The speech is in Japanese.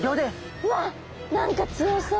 うわっ何か強そう。